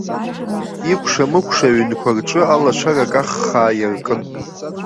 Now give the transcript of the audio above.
Икәша-мыкәша аҩнқәа рҿы алашара каххаа иаркын.